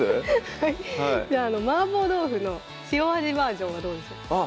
はいじゃあ麻婆豆腐の塩味バージョンはどうでしょうあっ